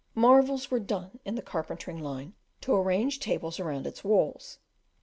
Marvels were done in the carpentering line to arrange tables around its walls.